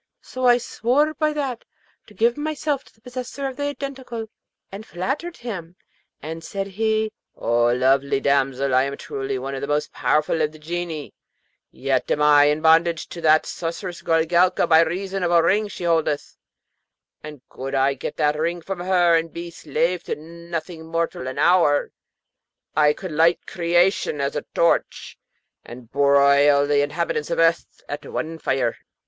So I swore by that to give myself to the possessor of the Identical, and flattered him. Then said he, 'O lovely damsel, I am truly one of the most powerful of the Genii; yet am I in bondage to that sorceress Goorelka by reason of a ring she holdeth; and could I get that ring from her and be slave to nothing mortal an hour, I could light creation as a torch, and broil the inhabitants of earth at one fire.'